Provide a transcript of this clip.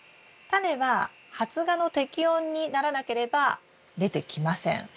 タネは発芽の適温にならなければ出てきません。